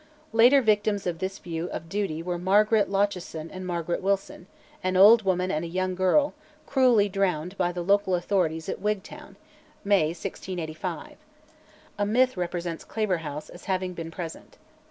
Later victims of this view of duty were Margaret Lauchleson and Margaret Wilson an old woman and a young girl cruelly drowned by the local authorities at Wigtown (May 1685). A myth represents Claverhouse as having been present.